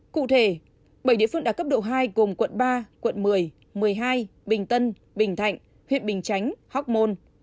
cụ thể bảy địa phương đạt cấp độ hai gồm quận ba quận một mươi một mươi hai bình tân bình thạnh huyện bình chánh hóc môn